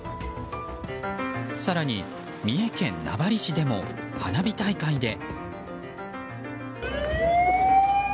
更に、三重県名張市でも花火大会で。